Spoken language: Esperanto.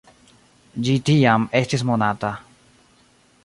Ĝi tiam estis monata.